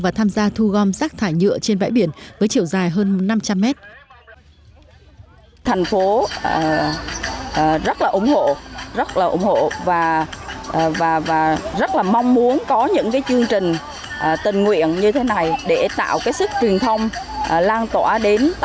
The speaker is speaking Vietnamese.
và tham gia thu gom rác thải nhựa trên bãi biển với chiều dài hơn năm trăm linh mét